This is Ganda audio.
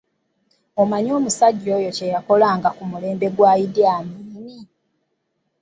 Omanyi omusajja oyo kye yakolanga ku mulembe gwa Idi Amin.?